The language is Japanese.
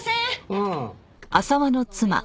うん。